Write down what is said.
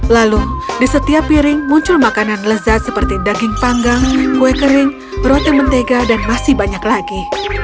lalu di setiap piring muncul makanan lezat seperti daging panggang kue kering roti mentega dan masih banyak lagi